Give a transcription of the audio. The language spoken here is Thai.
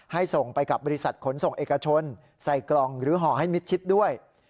ส่งไปกับบริษัทขนส่งเอกชนใส่กล่องหรือห่อให้มิดชิดด้วย